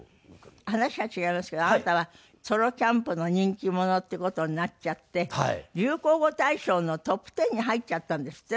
話は違いますけどあなたはソロキャンプの人気者って事になっちゃって流行語大賞のトップ１０に入っちゃったんですって？